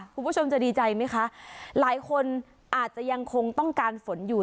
คุณผู้ชมจะดีใจไหมคะหลายคนอาจจะยังคงต้องการฝนอยู่